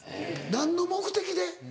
何の目的で？